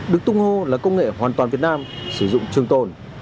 đức tung hô là công nghệ hoàn toàn việt nam sử dụng trương tồn